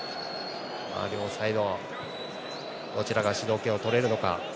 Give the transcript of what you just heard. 両サイド、どちらが主導権をとれるのか。